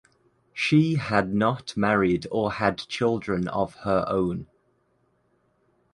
She had not married or had children of her own.